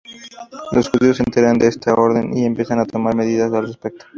Los judíos se enteran de esta orden y empiezan a tomar medidas al respecto.